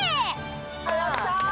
やった！